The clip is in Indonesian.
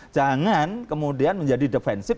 jangan kemudian menjadi defensif